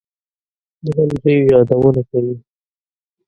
د غلجیو یادونه کوي.